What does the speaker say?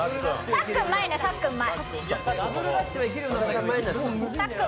さっくん、前ね、さっくん前。